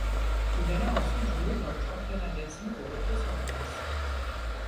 Il alla ensuite jouer dans le Championnat d'Asie de hockey sur glace.